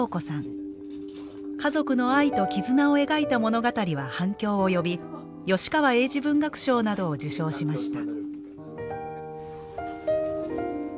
家族の愛と絆を描いた物語は反響を呼び吉川英治文学賞などを受賞しました。